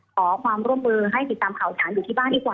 ขอความร่วมมือให้ติดตามข่าวสถานอยู่ที่บ้านดีกว่า